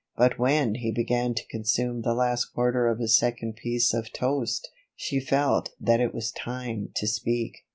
But when he began to consume the last quarter of his second piece of toast she felt that it was time to speak.